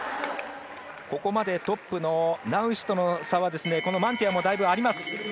ここまでトップのナウシュとの差はマンティアもだいぶあります。